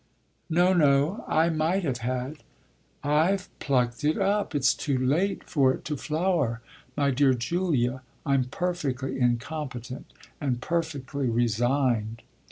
"No, no, I might have had. I've plucked it up: it's too late for it to flower. My dear Julia, I'm perfectly incompetent and perfectly resigned."